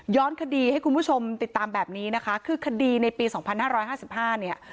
คดีให้คุณผู้ชมติดตามแบบนี้นะคะคือคดีในปี๒๕๕๕เนี่ย